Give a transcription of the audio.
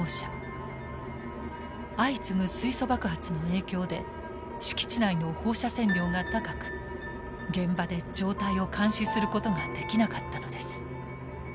相次ぐ水素爆発の影響で敷地内の放射線量が高く現場で状態を監視することができなかったのです。